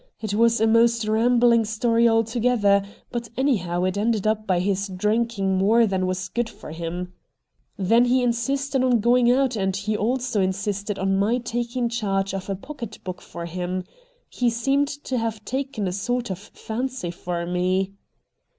It was a most rambhng story altogether, but anyhow it ended up by his drinking more than was good for him. 92 RED DIAMONDS Then he insisted on going out, and he also in sisted on my taking charge of a pocket book for him. He seemed to have taken a sort of fancy for me.'